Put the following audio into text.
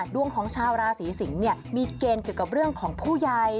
ดวงของชาวราศีสิงศ์มีเกณฑ์เกี่ยวกับเรื่องของผู้ใหญ่